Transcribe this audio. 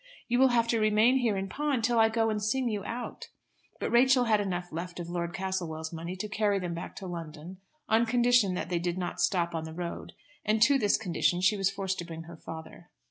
You will have to remain here in pawn till I go and sing you out." But Rachel had enough left of Lord Castlewell's money to carry them back to London, on condition that they did not stop on the road, and to this condition she was forced to bring her father.